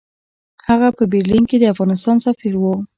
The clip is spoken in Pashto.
هغه په برلین کې د افغانستان سفیر وو.